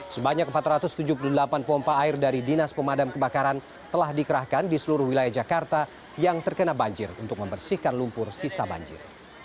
sebanyak empat ratus tujuh puluh delapan pompa air dari dinas pemadam kebakaran telah dikerahkan di seluruh wilayah jakarta yang terkena banjir untuk membersihkan lumpur sisa banjir